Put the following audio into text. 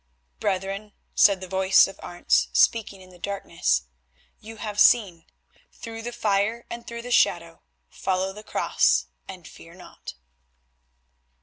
"Brethren," said the voice of Arentz, speaking in the darkness, "you have seen. Through the fire and through the shadow, follow the Cross and fear not."